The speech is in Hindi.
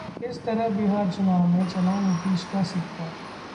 इस तरह बिहार चुनाव में चला नीतीश का सिक्का...